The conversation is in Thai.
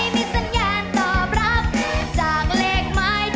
ดังสุดซ่ายกกำลังซ่าหมาย